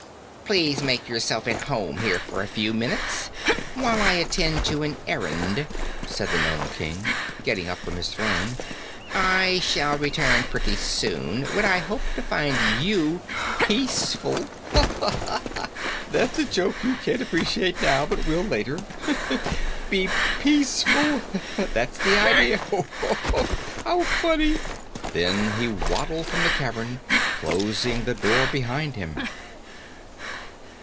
"Please make yourselves at home here for a few minutes, while I attend to an errand," said the Nome King, getting up from the throne. "I shall return pretty soon, when I hope to find you pieceful ha, ha, ha! that's a joke you can't appreciate now but will later. Be pieceful that's the idea. Ho, ho, ho! How funny." Then he waddled from the cavern, closing the door behind him.